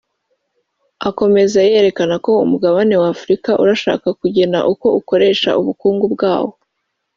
Akomeza yerekana ko umugabane wa Afurika urashaka kugena uko ukoresha ubukungu bwawo